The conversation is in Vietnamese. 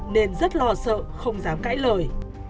nên rất lo sợ không dám cãi lời